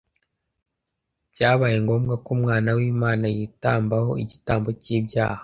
byabaye ngombwa ko umwana w’Imana yitambaho igitambo cy’ibyaha.